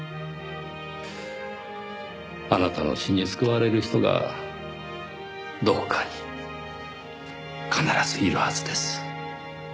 あなたの詩に救われる人がどこかに必ずいるはずです。